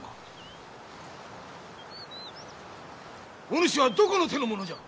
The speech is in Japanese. お主はどこの手の者じゃ！？